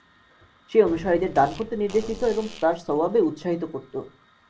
সে অনুসারীদের দান করতে নির্দেশ দিত এবং তার সওয়াবে উৎসাহিত করত।